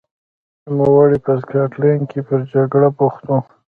نوموړی په سکاټلند کې پر جګړه بوخت و.